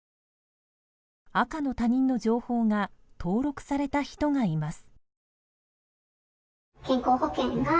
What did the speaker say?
赤の他人の情報が登録された人がいます。